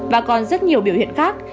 và còn rất nhiều biểu hiện khác